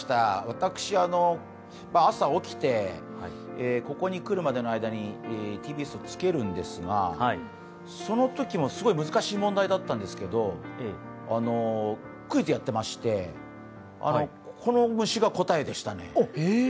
私、朝起きて、ここに車での間に、ＴＢＳをつけるんですが、そのときもすごい難しい問題だったんですけど、クイズやってまして、この虫が答えでしたね。